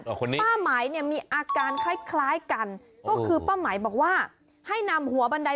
ป้าหมายมีอาการคล้ายกันก็คือป้าหมายบอกว่าให้นำหัวบันได